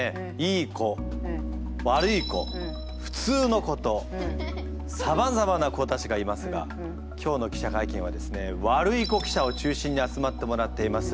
いい子悪い子普通の子とさまざまな子たちがいますが今日の記者会見はですねワルイコ記者を中心に集まってもらっています。